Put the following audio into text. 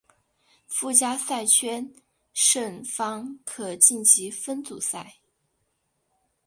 附加赛圈胜方可晋级分组赛。